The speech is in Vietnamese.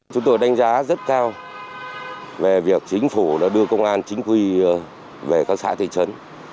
chúng tôi đánh giá rất cao về việc chính phủ đã đưa công an chính quy về các xã thị trấn